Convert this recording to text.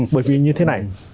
bởi vì như thế này